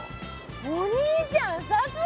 お兄ちゃんさすが！